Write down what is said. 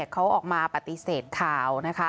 เขาออกมาปฏิเสธข่าว